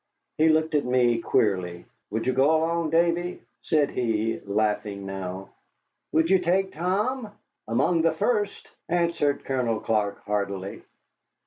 He looked at me queerly. "Would you go along, Davy?" said he, laughing now. "Would you take Tom?" "Among the first," answered Colonel Clark, heartily.